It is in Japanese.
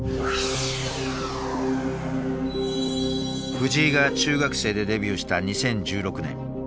藤井が中学生でデビューした２０１６年。